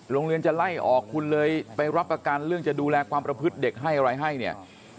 โรงเรียนจะไล่ออกคุณเลยไปรับประกันเรื่องจะดูแลความประพฤติเด็กให้อะไรให้เนี่ย